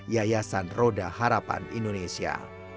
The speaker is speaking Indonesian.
yayasan roda harapan indonesia